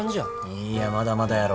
いいやまだまだやろ。